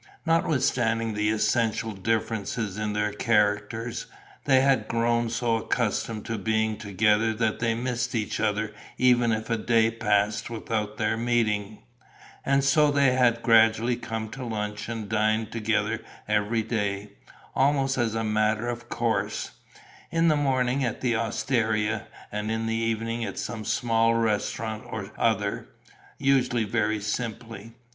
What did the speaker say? Notwithstanding the essential differences in their characters, they had grown so accustomed to being together that they missed each other if a day passed without their meeting; and so they had gradually come to lunch and dine together every day, almost as a matter of course: in the morning at the osteria and in the evening at some small restaurant or other, usually very simply.